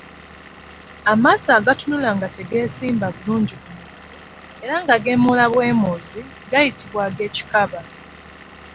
Amaaso agatunula nga tegasimba bulungi ku muntu era nga geemoola bwemoozi gayitibwa ag’ekikaba.